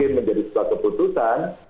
menjadi sebuah keputusan